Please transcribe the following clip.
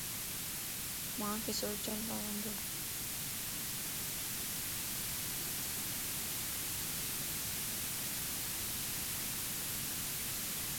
مانک سوچڻ پوندو